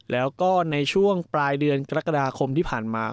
แล้วก็ในช่วงปลายเดือนกรกฎาคมที่ผ่านมา